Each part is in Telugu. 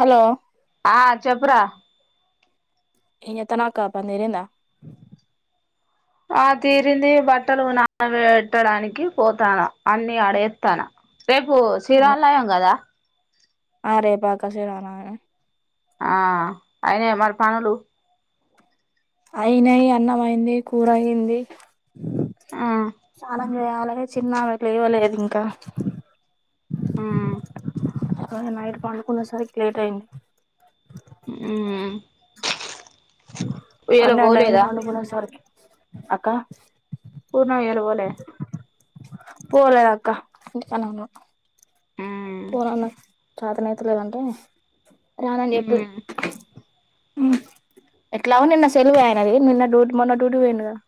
హలో ఆ చెప్ రా ఎమ్ చేజతావ్ అక్క పని తీరిందా ఆ తీరింది బట్టలు నానబెట్టడానికి పోతాన అన్ని అడేతాన రేపు శిరాలయం కదా ఆ రేపక్క శీరమానవమి ఆ అయినయ మరి పనులు అయినయి అన్నం అయింది కూరయింది ఆ చాల ఇయాలనే చిన్నమా ట్లేవాలేదు ఇంకా ఆ అ నైట్ పండుకునే సరికి లేట్ అయింది ఉమ్ ఇయ్యాల పనేండు అయింది పోలేదా పండుకునే సరీకి అక్క పూర్ణ ఇయ్యాల బోలే పోలేద అక్క ఇంటికాడనే ఉన్న ఉమ్ చతనైతలేదంటే రానాని చెపిర్రు ఉమ్ ఎట్లాగో నిన్న సెలవు అయనది నిన్న డ్యూటీ మొన్న డ్యూటీకి పోయిండు కదా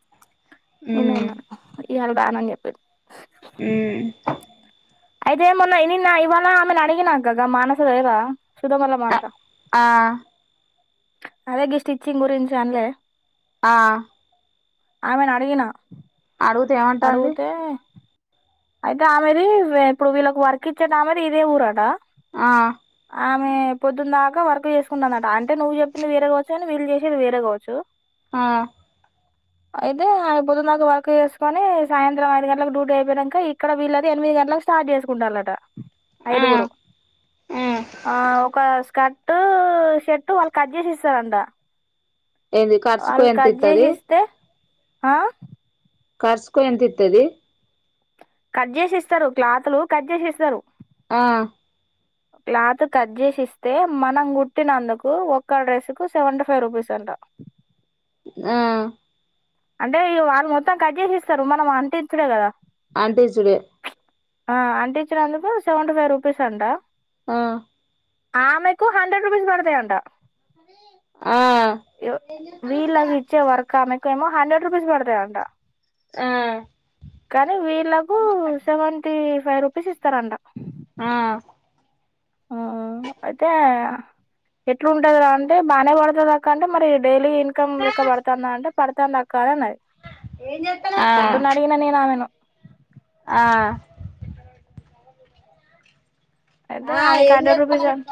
నిను ఉమ్ ఉన్నాను ఈయాళ బానని చెప్పిండు హుమ్ అయితే మొన్న ఇ ఇవవాళ ఆమెనీ అడిగిన కదా మానస లేద సుధ వల మానస ఆ అలాగే స్టిచ్చింగ్ గురించి అన్లే ఆ ఆమెనీ అడిగిన అడుగుతే ఏమంటాంది అడిగితే అయితే ఆమెది ఇప్పుడు వీళ్ళకి వర్క్ ఇచ్చేట ఆమెది ఇదే ఊరాట ఆ ఆ పొద్దున్న దాకా వర్క్ చేసుకుంటా అన్నట అంటే నువ్వు చెప్పింది వేరే కావచ్చు కాని వీళ్ళు చేసేది వేరే కావచ్చు ఆ అయితే అయిపోతు నాకు వర్క్ చేసుకొని సాయంత్రం ఐదు గంటలకు డ్యూటీ అయిపోయినాక ఇం ఇక్కడ వీళ్ళది ఎనిమిది గంటలకు స్టార్ట్ చేసుకుంటారట ఐదుగురు ఆ ఆ ఒక స్కాట్ టు షర్టు వాళ్ళు కట్ చేసిస్తారు అంటా ఏంది ఖర్చుకో ఎంత ఇత్తది ఆ కర్స్ కు ఎంత ఇతది కట్ చేసి ఇస్తారు క్లాత్లు కట్ చేసి ఇస్తారు ఆ క్లాత్ కట్ చేసిస్తే మనం కుట్టినందుకు ఒక్క డ్రెస్ కు సెవెంటీ ఫైవ్ రూపీస్ అంట ఆ అంటే ఇగ వాళ్ళు మొత్తం కట్ చేసిస్తారు మనం అంటించినం కదా ఆంటీ చుడు ఆ అంట ఇచ్చినందుకు సెవెంటీ ఫైవ్ రూపీస్ అంటా ఆ ఆమెకు హండ్రెడ్ రూపీస్ పడతాయంట ఆ వీళ్ళ ఇచ్చేవరక మే కమ హండ్రెడ్ రూపీస్ పడతాయి అంటా ఆ కానీ వీళ్ళకు సెవంటి ఫైవ్ రుపీస్ ఇస్తారంట ట ఆ ఆ అయితే ఎట్లుంటది రా అంటే బానే పడుతుంది అక్క అంటే మరి డైలీ ఇన్కమ్ లెక్క పడతాందా పడతాంది అక్క కాదండి అది ఏం చేత్తన్నావ్ పొద్దున్న అక్క అడిగినా నేను ఆమెను ఆ అయితే ఆ ఆమెకు ఏం హండ్రెడ్ రూపీస్ చేస్తానయత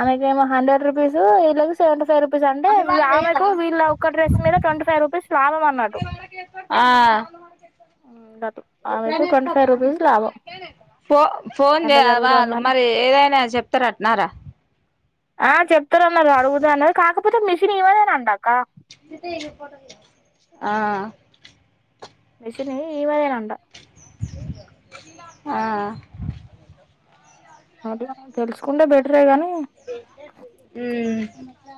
ఆమెక హండ్రెడ్ రుూపీస్ ఇళ్లకు సెవెంటీ ఫైవ్ రుపీస్ రపీస్ అంటే మమ్మీ వాళ్ళు పోయిర్రా ఆమెకు వీళ్ళ ఒ డ్రెస్ మీద ట్వంటీ ఫైవ్ రూపీస్ లాభం అన్నట్టు ఆ ఆమెకు ఎప్పుడైనా ట్వంటీ ఫైవ్ ఎత్తార్రా రూపీస్ లాభం ఫో ఫోన్ చే అట్లా జరుగుతోంది అమ్మ నార ఆ చెప్తారు అన్నారు అడుగుద అన్నారుది కాకపోతే మిషన్మద అని అండదు ఇ పోట ఆ మెషన్ ఈమదే అంట ఆ అదే మ తెలుసుకుంటే బెటరే గాని ఉ ఎకా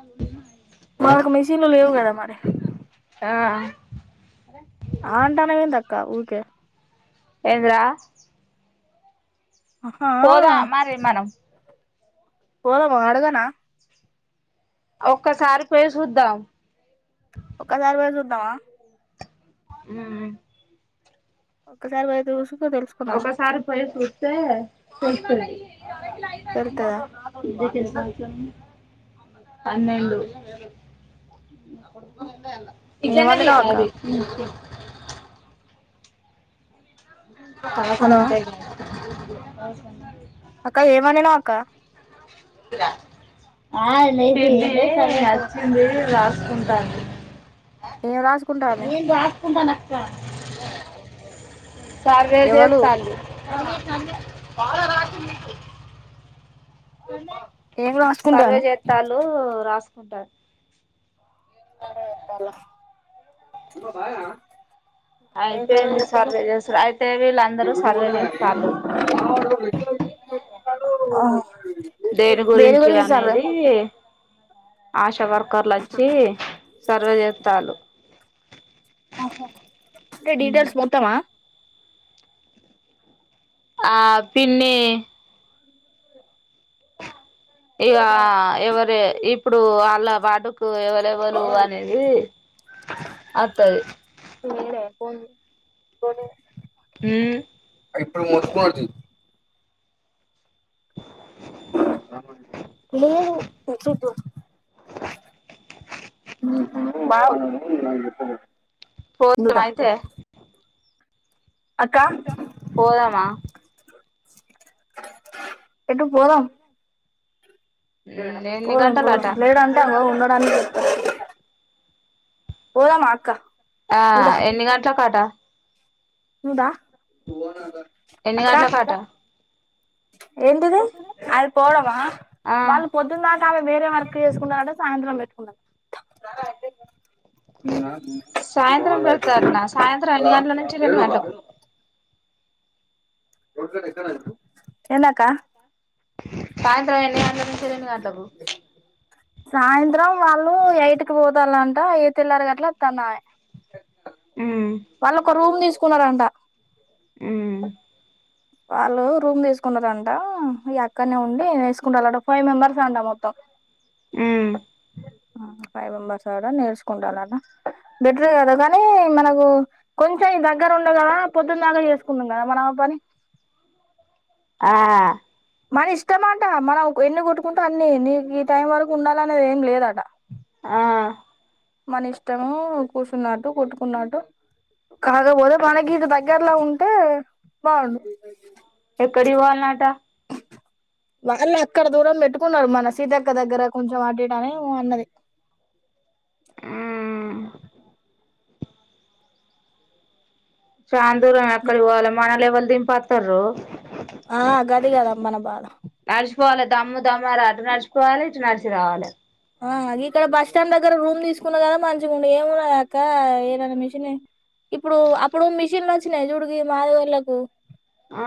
మాకు మిషన్లు లేవు కదా మరి [inaudible] ఆ అంటాన ఏంద అక్క ఊకే ఏంద్రా ఆహా పోదా మారి మనం పోదమా అడగానా ఒక్కసారి పోయి చూద్దాం ఒసారి పోయి చూద్దామా అ ఒకసారి పోయి చూసొద్దాం ఒకసారి పోయి చూస్తే అ [inaudible] తెలుత్తదా పన్నెండు ఏం ఇజన్నది వండినావు అక్క తాకం హలో ఉంటాయి అవు అక్క ఏం వండినావ్ అక్క ఆ న నచ్చింది రాసుకుంటాను ఏం రాసుకుంటాంది నేన్ రాస్కుంటానా [inaudible] సర్వే ఎవలు చేస్తల్లు [inaudible] ఏం సర్వే రాసుకుంటాను చేతాలు రాసు అంటా [inaudible] అరేతేలా ఏం అయితే సదువు ఏంది చెప్తారు సర్వే [inaudible] చేస్తారు అయితే వీళ్ళందరూ సర్వే చేస్తాళ్ళు దేని గురించి అనేది ఆష్ వర్కర్లు వచ్చి సర్వే చేత్తలు హ అంటే డీటెయిల్స్ మొత్తమా ఆ పిన్ని ఇగా ఎవరు ఇప్పుడు అలా వాడుకు ఇవలేవలు అనేది వస్తుది ప కొన్ని ఉమ్ ఇప్పుడు మొత్తుకున్నడు చూడు లేదు బా పోదామాయితే అక్క పోదమా ఎటు పోదాం ఎన్ని పోదం పోదం గంటలట లేడ అంటే అగొ ఉన్నడాని చె పోదామా అక్క ఆ ఎన్ని గంట్లకాటా ఉందా ఎన్ని గంటలకాట ఏంటిది అది పోదమా ఆ వాళ్ళు పొద్దుందాక ఆమె వేరే వర్క్ చేసుకుంట అడ సాయంత్రంబెట్కుందాం సాయంత్రం పెడతదట్నా సాయంత్రం ఎన్ని గంటల నుంచి రెండు గంటలకు ఎందక్క సాయంత్రం ఎ న్ని గంట్ల నించి ఎన్ని గంట్లకు సాయంత్రం వాళ్ళు ఎయిట్ పోతాలంట ఏ తెల్లారు గట్ల అత్తందామే ఉమ్ వాళ్ళొక రూమ్ తీస్ కున్నరంటా ఉమ్ వాళ్ళు రూమ్ తీసుకున్నారంటా ఇగ అక్కనే ఉండి వేసుకుంటాల్లంట ఫైవ్ మెంబెర్స్ అంట మొత్తం హ్మ్ ఫైవ్ మెంబెర్స్ అ నిర్సుకుంటల్లాట బెటరే కదా కానీ మనకు కొంచెం ఈ దగ్గర ఉండు కదా పొద్దున్ దాకా చేసుకుందుం కదా మనం పని ఆ మన ఇష్టమాంట మనం ఎన్ని కొట్టుకుంటూ అన్ని నీకు ఈ టైం వరకు ఉండాల అనేది ఏం లేదట ఆ మన ఇష్టము కూర్చున్నట్టు కుట్టుకున్నట్టు కాకపోతే మనకిీ ఇటు దగ్గరల ఉంటే బాగుండు ఏక్కడి ఇవాళ్ళనటా వాళ్ళు అక్కడ దూరం పెట్టుకున్నారు మన సీతక్క దగ్గర కొంచెం అటు ఇటు అని ఏమో అన్నది ఉమ్ చాన్ దూరమే అక్కడ వోవాలే మన లెవల్ దింపంటున్రు ఆ గది కదా మన బాధ నడిషిపోవాలే దమ్ము దమ్ము ఆడ నడిచిపోవలె ఇటు నడిశిరావాలే ఆ గిక్కడ బస్ స్టాండ్ దగ్గర రూమ్ తీసుకున్నా కదా మంచిగుండు ఏమున్నాదక్క ఎనన్నా మిషన్ ఇప్పుడు అప్పుడు మిషన్లు వచ్చినాయి చూడు మదిగొల్లకు ఆ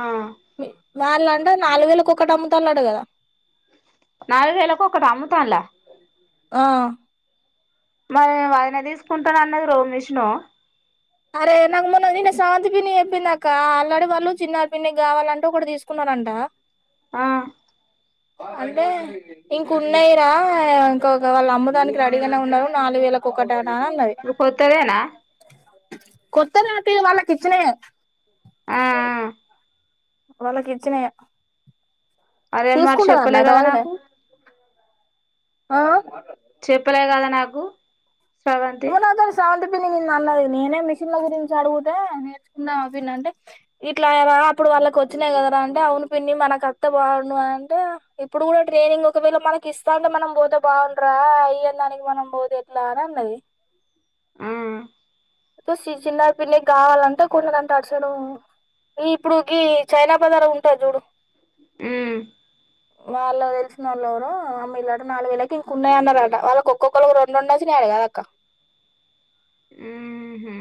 వాళ్ళ అంటే నాలుగు వేల కోక్కటి అమ్ముతాళ్ళట కదా నాలువేల్లకు ఒకటి అమ్ముతాల్ల ఆ మరి అయిన తీసుకుంటానాన్నది రో మెషినో అరే నాకు మొన్న నిన్న స్రవంతి పిన్ని చెప్పిందక్క ఆల్రడీ వాళ్ళు చిన్న పిన్ని కావాలంటే ఒకటి తీసుకున్నారంట ఆ అ అంటే ఇంక ఉన్నాయిర ఇంక వాళ్ళు అమ్మటానికి రెడీగనే ఉన్నరు నాలుగు వేలకు ఒకటి అన్ ఓరు కొత్తదేనా కొత్త నాటి వాళ్ళకిచ్చినాయే ఆ వాళ్ళకి ఇచ్చినయే అదే మరి చెప్పలే కదా వదినే నాకు ఆ చెప్పలే కదా నాకు స్రవంతి ఉనా తోని శ్రవంతి పి అన్నది నేనే మిషన్ల గురించి అడుగుతే నేర్చుకున్నావ పిన్ని అంటే ఇట్లాయరా అప్పుడు వాళ్ళకి వచ్చినాయి కదరా అంటే అవును పిన్ని మనక్ అత్తే బాగుండు అంటే ఇప్పుడు కూడా ట్రైనింగ్ ఒకవేళ మనకి ఇస్తాంటే మనం పోతే బాగుండురా ఇయ్యడానికి మనం పోతే ఎట్లా అన్నది ఆ చి చిన్న పిన్నికి కావాలంటే కొన్నదంటా అటుసైడు ఈ ఇప్పుడు గీ చైనా బజార్ ఉంటది చూడు హ్మ్ వాళ్ళు తెలిసినోళ్ళు ఎవరో అమ్మిల్లు అట నాలుగు వేలకి ఇంకున్నాయి అన్నారట వాళ్ళకి ఒక్కొక్కళ్ళకి రెండురెండు ఓచ్చినయట కాదక్కా ఉహు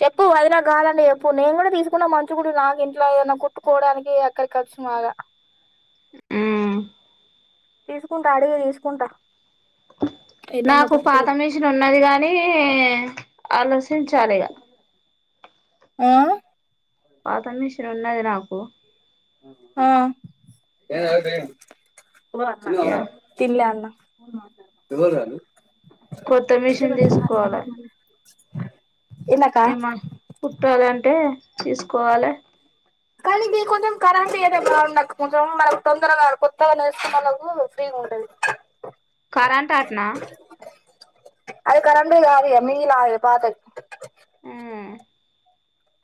చెప్పు వాదినేక్ కావాలంటే చెప్పు నేను కూడా తీసుకుంటా మంచిగుండు నాకు ఇంట్ల ఏదన్న కుట్టుకోవడానికి ఆక్కడికొచ్చు మాగా ఉమ్ తీసుకుంటా అడిగి తీసుకుంటా ఎన్నన్న నాకు పాత పైసలు మిషన్ ఉన్నది కానీ అలస్ ర్చించాలిగా ఆ పాత మిషన్ ఉన్నది నాకు ఆ ఇగ తిన్లే అన్న తవ రాాల కొత్త మిషన్ తీసుకోవాలే ఏందక్క ఏమ కుట్టాలి అంటే తీసుకోవాలే కానీ బీ కొంచెం కరెంట్ ఏద బాగు నాకు కొంచెం మనకు తొందరగా కొత్తగా నేర్స్కున్నోళ్లకు ఫ్రీగా ఉంటది కరంట్ ఆట్నా అది కరంట్ కాదు ఇగ మినీ లాగా ఇగ పాతయ్ ఉం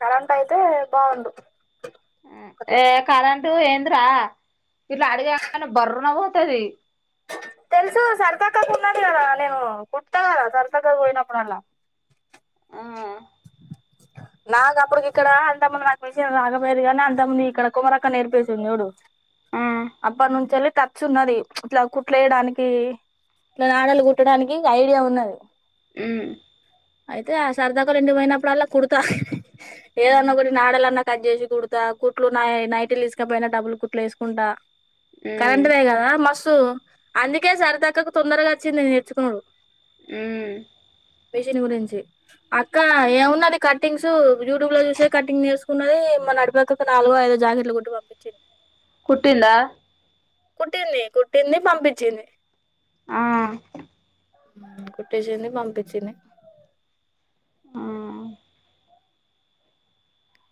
కరెంట్ అయితే బాగుండు అట్లా ఏ కరన్ ంటు ఏంద్ర ఇట్లా అడుగు ఎయ్యంగనే బర్రున పోతది తెలుసు సరితక్కకున్నాది గదా నేను కుట్తా గదా సరితక్కకు పోయినప్పుడళ్ల ఆ నాకు అప్పడుకి ఇక్కడ అంత ముందు నాకు మెషిన్ రాక పోయేది గాని అంత ముందు ఇక్కడ కుమరక్క నేర్పేసింది చూడు ఆ అబ్బా నుంచించెల్లి టచ్ ఉన్నది ఇట్లా కుట్లేయడానికి ఇలా నాడలు కుట్టడానికి ఐడియా ఉన్నది ఉం అయితే ఆ సరితక్కోళ్ళింటికి పోయినప్పుడు అళ్ల కుడు త ఏదన్న ఉమ్ ఒకటి నాడెలన్న కట్ చేసి కుడతా కుట్లు న నైటిలు తీసుకపోయినా డబుల్ కుట్లు ఎసుకుంటా ఉమ్ కరెంట్ దే గదా మస్ అందుకే సరితక్కకు తొందరగా వచ్చింది నేర్చుకునుడు ఉమ్ మిషిని గురించి అక్క ఏమున్నది కట్టింగ్స్ యూట్యూబ్ లో చూసే కట్టింగ్ చేేసుకున్నది మ నడిపక్కకు నాలుగో ఐదో జాకెట్లు కుట్టి పంపించింది కుట్టిందా కుట్టింది కుట్టింది పంపించింది ఆ కుట్టిచ్చింది పంపించింది ఆ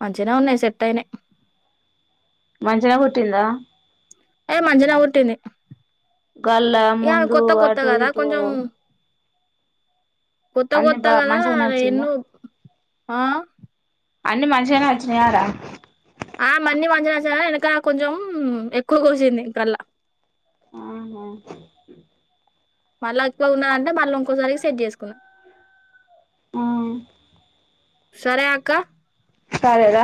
మంచిగనే ఉన్నాయి సెట్ అయినయ్ మంచిగనే కుట్టిందా ఎ మంచిగనే కుట్టింది గల్ల ఇక ముందు కొత్త కొత్త అటు కదా ఇటు కొంచెం కొత్త అన్ని బా మంచిగనే కొత్తగాద వచ్చిందా ఎన్నో ఆ అన్ని మంచిగానే అచ్చినాయారా? ఆ మన్నీ మంచిగానే ఒచ్చినాగా ఎనక కొంచెం ఎక్కువ కోసింది కల్ల. ఆహా మల్లా ఎక్కువగ ఉన్నదంటే మల్ల ఉంకోసారికి సెట్ జేసుకున్నా. ఆ సరే అక్క. సరే దా